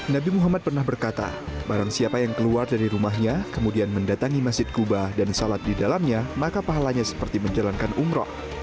nabi muhammad pernah berkata barang siapa yang keluar dari rumahnya kemudian mendatangi masjid kuba dan salat di dalamnya maka pahalanya seperti menjalankan umroh